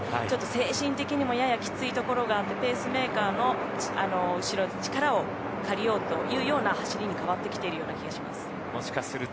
ちょっと精神的にもややきついところがあってペースメーカーの後ろ力を借りようというような走りに変わってきている気がします。